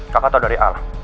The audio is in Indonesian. kaka tau dari al